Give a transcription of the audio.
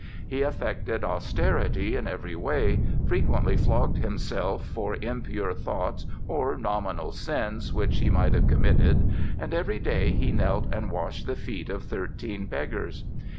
He affected austerity in every way, frequently flogged himself for impure thoughts or nominal sins which he might have committed, and every day he knelt and washed the feet of thirteen beggars.